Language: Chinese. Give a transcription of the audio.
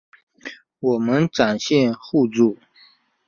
我们展现互助